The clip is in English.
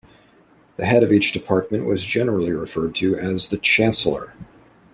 The head of each department was generally referred to as the "chancellor".